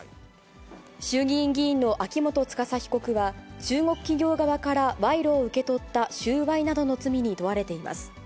衆議院議員の秋元司被告は、中国企業側から賄賂を受け取った収賄などの罪に問われています。